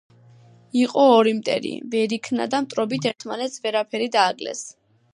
იყო ორი მტერი. ვერ იქნა და მტრობით ერთმანეთს ვერაფერი დააკლეს.